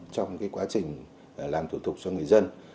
trong quá trình làm thủ tục cho người dân